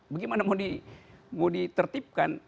bagaimana mau ditertipkan